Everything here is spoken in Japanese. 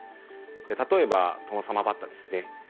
例えばトノサマバッタですね。